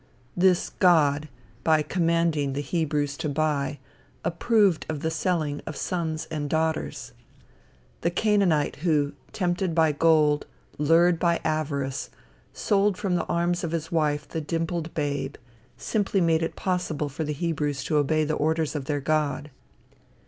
This God, by commanding the Hebrews to buy, approved of the selling of sons and daughters. The Canaanite who, tempted by gold, lured by avarice, sold from the arms of his wife the dimpled babe, simply made it possible for the Hebrews to obey the orders of their God.